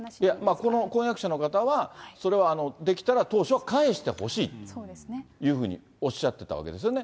この婚約者の方は、それはできたら当初は返してほしいというふうにおっしゃってたわけですよね。